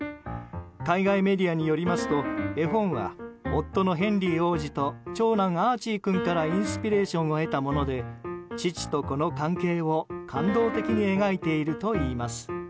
海外メディアによりますと絵本は、夫のヘンリー王子と長男アーチー君からインスピレーションを得たもので父と子の関係を感動的に描いているといいます。